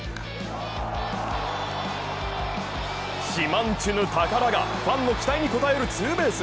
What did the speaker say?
島人ぬ宝がファンの期待に応えるツーベース。